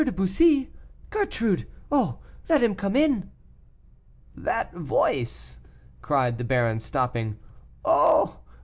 de Bussy. Gertrude? Oh! let him come in!" "That voice!" cried the baron, stopping. "Oh!